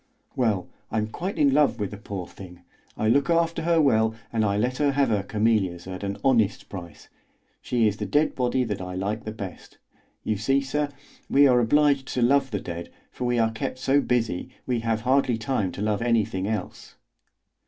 Well, I'm quite in love with the poor thing; I look after her well, and I let her have her camellias at an honest price. She is the dead body that I like the best. You see, sir, we are obliged to love the dead, for we are kept so busy, we have hardly time to love anything else."